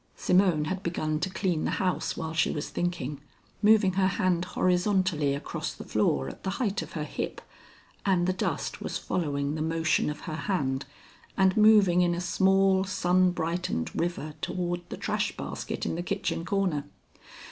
Simone had begun to clean the house while she was thinking, moving her hand horizontally across the floor, at the height of her hip, and the dust was following the motion of her hand and moving in a small, sun brightened river toward the trash basket in the kitchen corner.